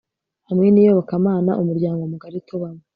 hamwe niyobokamana umuryango mugari tubamo